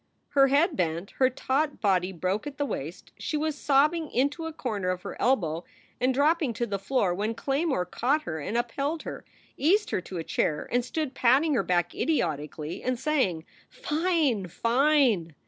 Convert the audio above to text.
Her head bent, her taut body broke at the waist, she war sobbing into a corner of her elbow and dropping to the floor when Claymore caught her and upheld her, eased her to Q chair, and stood patting her back idiotically and saying 1 . "Fine! Fine!"